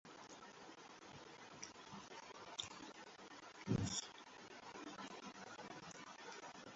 তিনি একজন ভিন্নধর্মী কবি ও লেখক হিসেবে বিবেচিত হন।